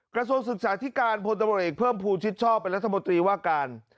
กระทรวงศึกษาธิการพลตำรวจเอกเพิ่มภูมิชิดชอบเป็นรัฐมนตรีว่าการ